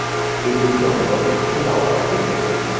এগুলোর সদর দফতর ছিল রাওয়ালপিন্ডিতে।